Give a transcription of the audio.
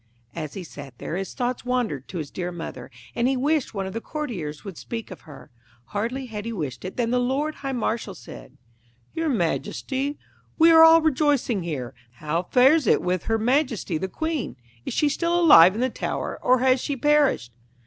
As he sat there, his thoughts wandered to his dear mother, and he wished one of the courtiers would speak of her. Hardly had he wished it than the Lord High Marshal said 'Your Majesty, we are all rejoicing here, how fares it with Her Majesty the Queen? Is she still alive in the tower, or has she perished?'